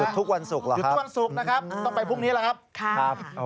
หยุดทุกวันศุกร์นะครับต้องไปพรุ่งนี้หรอครับ